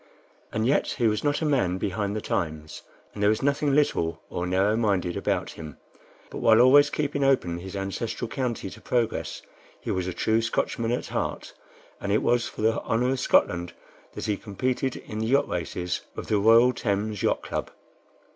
And yet he was not a man behind the times, and there was nothing little or narrow minded about him; but while always keeping open his ancestral county to progress, he was a true Scotchman at heart, and it was for the honor of Scotland that he competed in the yacht races of the Royal Thames Yacht Club.